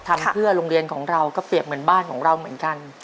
ทำเพื่อโรงเรียนของเราก็เปรียบเหมือนบ้านของเราเหมือนกัน